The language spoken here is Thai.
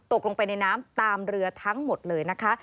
ตกลงไปในน้ำตามเรือทั้งหมดเลยนะคะ